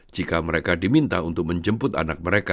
jika mereka diminta untuk menjemput anak mereka